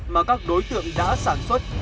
mà các đối tượng đã sản xuất